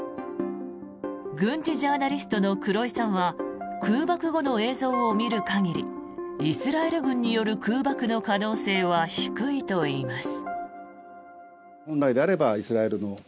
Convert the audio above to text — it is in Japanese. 軍事ジャーナリストの黒井さんは空爆後の映像を見る限りイスラエル軍による空爆の可能性は低いといいます。